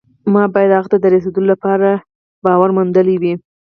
ما باید هغه ته د رسېدو لپاره باور موندلی وي